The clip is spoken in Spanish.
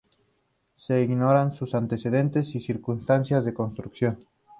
Se ignoran sus antecedentes y circunstancias de construcción.